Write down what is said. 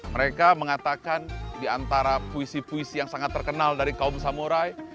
mereka mengatakan di antara puisi puisi yang sangat terkenal dari kaum samurai